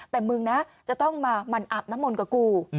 แต่มึงนะจะต้องมามันอาบน้ำมนต์กับกู